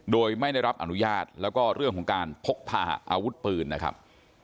โดยไม่ได้รับอนุญาตแล้วก็เรื่องของการพกพาอาวุธปืนนะครับ